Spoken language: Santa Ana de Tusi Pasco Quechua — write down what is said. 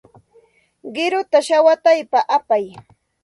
Qiruta shawataypa apay.